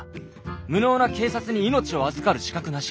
無能な警察に命を預かる資格なし。